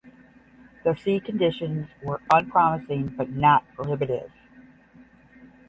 The sea conditions were "unpromising but not prohibitive".